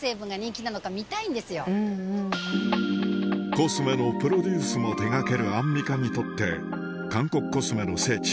コスメのプロデュースも手掛けるアンミカにとって韓国コスメの聖地